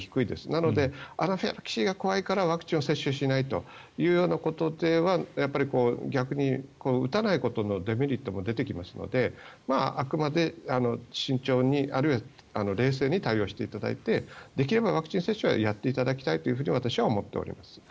なのでアナフィラキシーが怖いからワクチンを接種しないというようなことでは逆に打たないことのデメリットも出てきますのであくまで慎重に、あるいは冷静に対応していただいてできればワクチン接種はやっていただきたいと私は思っております。